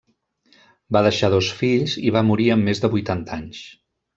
Va deixar dos fills i va morir amb més de vuitanta anys.